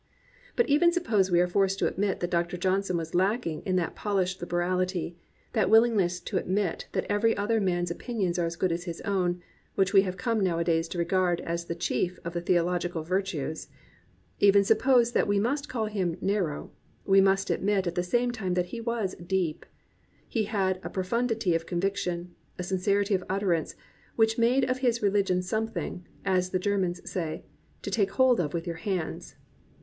But even suppose we are forced to admit that Dr. Johnson was lacking in that polished liberality, that willingness to admit that every other man's opinions are as good as his own, which we have come nowadays to regard as the chief of the theological virtues; even suppose we must call him "narrow," we must admit at the same time that he was "deep "; he had a profundity of conviction, a sincerity of utterance which made of his religion something, as the Germans say, "to take hold of with your hands.'